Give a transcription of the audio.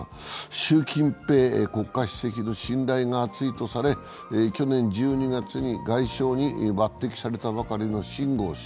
習近平国家主席の信頼が厚いとされ、去年１２月に外相に抜てきされたばかりの秦剛氏。